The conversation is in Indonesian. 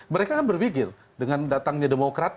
mereka kan berpikir dengan datangnya demokrat